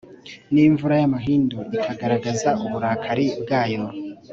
n'imvura y'amahindu ikagaragaza uburakari bwayo